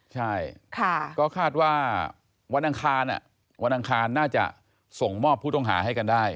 ใช่ก็คาดว่าวันอังคารวันอังคารน่าจะส่งมอบผู้ต้องหาให้กันได้